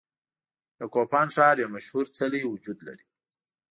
د کوپان ښار یو مشهور څلی وجود لري.